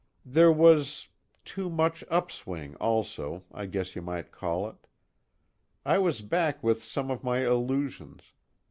There was too much upswing also, I guess you might call it. I was back with some of my illusions.